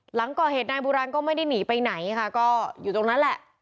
หลังก่อเหตุนายโบราณก็ไม่ได้หนีไปไหนค่ะก็อยู่ตรงนั้นแหละ